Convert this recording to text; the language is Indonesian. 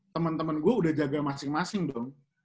temen temen gue udah jaga masing masing dong